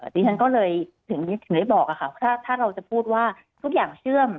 ดิฉันก็เลยถึงได้บอกค่ะถ้าเราจะพูดว่าทุกอย่างเชื่อม